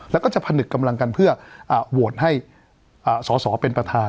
แล้วก็จะผนึกกำลังกันเพื่อโหวตให้สอสอเป็นประธาน